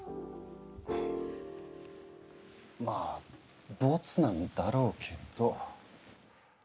まあボツなんだろうけど。